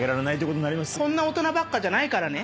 こんな大人ばっかじゃないからね。